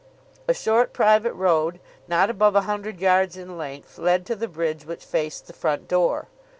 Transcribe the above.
A short, private road, not above a hundred yards in length, led to the bridge which faced the front door.